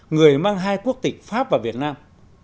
người mang hai quốc tịch pháp và việt nam